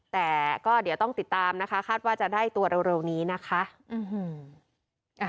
แต่ก็เดี๋ยวต้องติดตามนะคะคาดว่าจะได้ตัวเร็วนี้นะคะ